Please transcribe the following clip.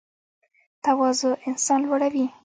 تواضع انسان لوړوي